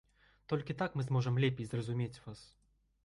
Толькі так мы зможам лепей зразумець вас.